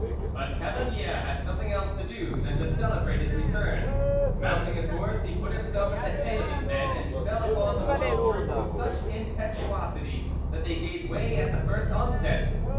But Cavalier had something else to do than to celebrate his return; mounting his horse, he put himself at the head of his men, and fell upon the royal troops with such impetuosity that they gave way at the first onset.